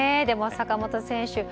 でも、坂本選手